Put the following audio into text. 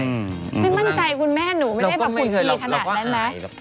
ไม่มั่นใจคุณแม่หนูไม่ได้แบบหุ่นคลีขนาดนั้นไหม